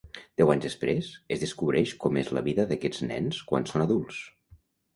Deu anys després, es descobreix com és la vida d'aquests nens quan són adults.